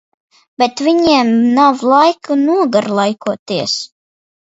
Bet viņiem nav laika nogarlaikoties.